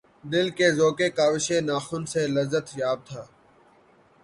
دل کہ ذوقِ کاوشِ ناخن سے لذت یاب تھا